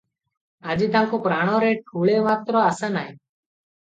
ଆଜି ତାଙ୍କ ପ୍ରାଣରେ ଠୁଳେ ମାତ୍ର ଆଶା ନାହିଁ ।